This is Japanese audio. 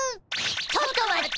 ちょっと待った。